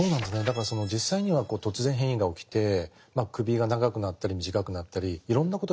だからその実際には突然変異が起きて首が長くなったり短くなったりいろんなことが起きるわけですよね。